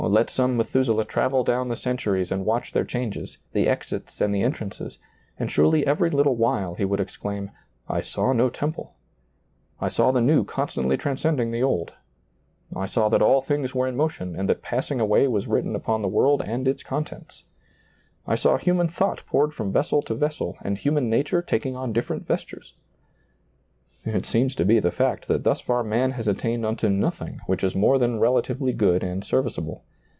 Let some Methuselah travel down the centuries and watch their changes, the exits and the en trances, and surely every little while he would exclaim, " I saw no temple ";" I saw the new con stantly transcending the old "; "I saw that all things were in motion and that passing away was written upon the world and its contents "; "I saw human thought poured from vessel to vessel and human nature taking on diflerent vestures." It seems to be the fact that thus far man has attained ^lailizccbvGoOgle i8o SEEING DARKLY unto nothing which is more than relatively good and serviceable.